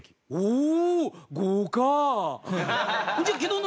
おお！